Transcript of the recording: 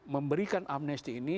memberikan amnesti ini